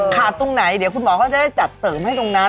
ตรงไหนเดี๋ยวคุณหมอเขาจะได้จัดเสริมให้ตรงนั้น